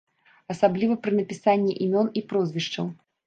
Асабліва пры напісанні імён і прозвішчаў.